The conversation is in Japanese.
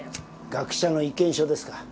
学者の意見書ですか。